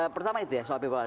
pertama itu ya soal people power